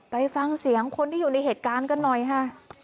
ไปฟังเสียงคนที่อยู่ในเหตุการณ์กันหน่อยค่ะ